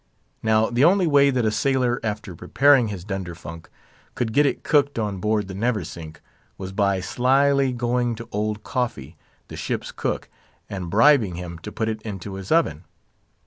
Now the only way that a sailor, after preparing his dunderfunk, could get it cooked on board the Neversink, was by slily going to Old Coffee, the ship's cook, and bribing him to put it into his oven.